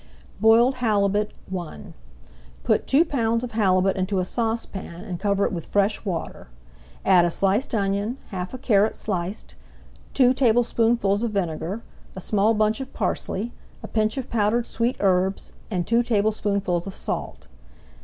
BOILED HALIBUT I Put two pounds of halibut into a saucepan and cover it with fresh water. Add a sliced onion, half a carrot sliced, two tablespoonfuls of vinegar, a small bunch of parsley, a pinch [Page 192] of powdered sweet herbs, and two tablespoonfuls of salt.